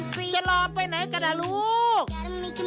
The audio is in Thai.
จะลอไปไหนกันล่ะลูก